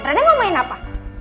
raina mau main apa